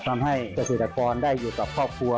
ทำให้เกษตรกรได้อยู่กับครอบครัว